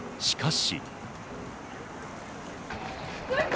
しかし。